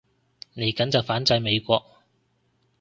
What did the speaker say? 嚟緊就反制美國